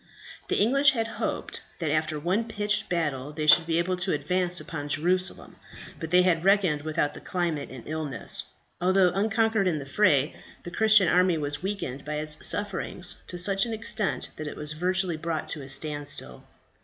The English had hoped that after one pitched battle they should be able to advance upon Jerusalem, but they had reckoned without the climate and illness. Although unconquered in the fray, the Christian army was weakened by its sufferings to such an extent that it was virtually brought to a standstill.